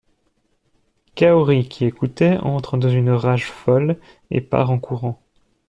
Kaori, qui écoutait, entre dans une rage folle, et part en courant.